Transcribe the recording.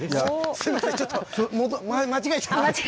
すみません、ちょっと、間違えちゃった。